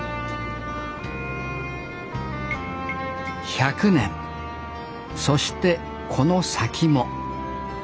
１００年そしてこの先も。